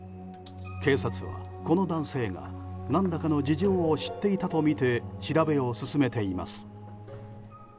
警察は、この男性が何らかの事情を知っていたとみて調べを進めています。